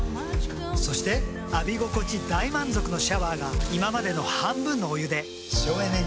そして浴び心地大満足のシャワーが今までの半分のお湯で省エネに。